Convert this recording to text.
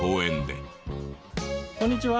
こんにちは。